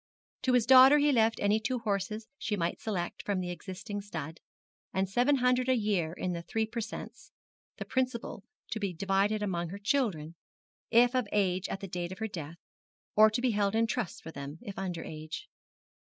To his daughter he left any two horses she might select from the existing stud, and seven hundred a year in the Three per Cents, the principal to be divided among her children, if of age at the date of her death, or to be held in trust for them if under age.